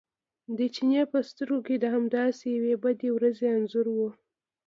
د چیني په سترګو کې د همداسې یوې بدې ورځې انځور و.